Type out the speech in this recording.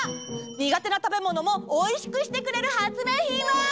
にがてなたべものもおいしくしてくれる発明品は？